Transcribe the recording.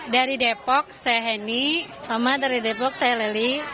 dari depok saya heni sama dari depok saya lelling